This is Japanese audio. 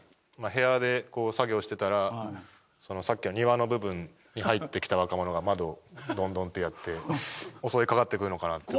部屋で作業してたらさっきの庭の部分に入ってきた若者が窓をドンドンってやって襲いかかってくるのかなって。